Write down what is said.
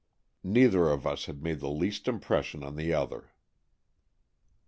Neither of us had made the least impression on the other.